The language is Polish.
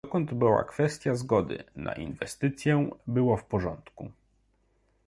Dokąd była kwestia zgody na inwestycję, było w porządku